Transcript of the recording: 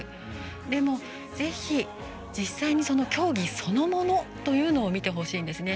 でも、ぜひ、実際に競技そのものというのを見てほしいんですね。